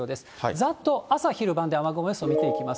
ざっと朝、昼、晩で雨雲予想見ていきます。